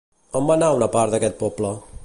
On va anar una part d'aquest poble?